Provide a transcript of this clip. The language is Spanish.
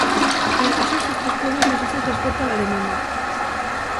En el caso de estos tres pueblos no existe transporte a la demanda.